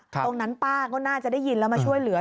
ตรงนั้นป้าก็น่าจะได้ยินแล้วมาช่วยเหลือ